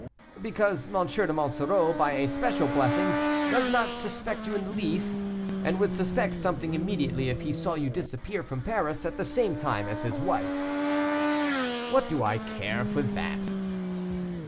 "Because M. de Monsoreau, by a special blessing, does not suspect you in the least, and would suspect something immediately if he saw you disappear from Paris at the same time as his wife." "What do I care for that?"